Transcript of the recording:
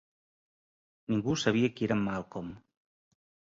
Ningú sabia qui era Malcolm.